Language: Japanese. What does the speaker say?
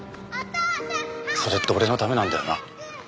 それって俺のためなんだよな。